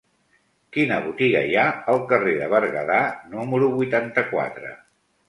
Quina botiga hi ha al carrer de Berguedà número vuitanta-quatre?